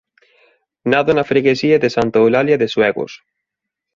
Nado na freguesía de Santa Eulalia de Suegos.